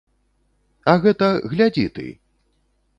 А гэта, глядзі ты!